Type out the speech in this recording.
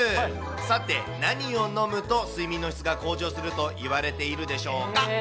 さて、何を飲むと、睡眠の質が向上すると言われているでしょうか。